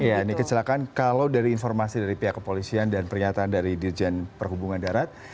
ya ini kecelakaan kalau dari informasi dari pihak kepolisian dan pernyataan dari dirjen perhubungan darat